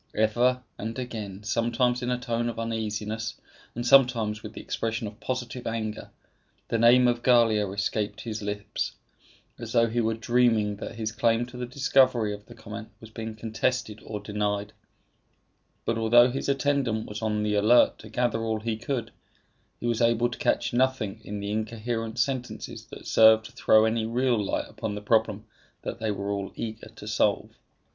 Ever and again, sometimes in a tone of uneasiness, and sometimes with the expression of positive anger, the name of Gallia escaped his lips, as though he were dreaming that his claim to the discovery of the comet was being contested or denied; but although his attendant was on the alert to gather all he could, he was able to catch nothing in the incoherent sentences that served to throw any real light upon the problem that they were all eager to solve.